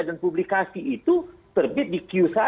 dan publikasi itu terbit di q satu